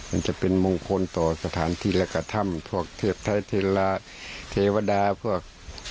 อันที่เป็นมงคลต่อสถานทีแลกกะธรรมพวกเทพทะเทียละเทวดาพวก